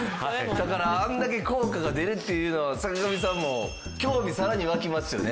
だからあれだけ効果が出るっていうのは坂上さんも興味さらに湧きますよね。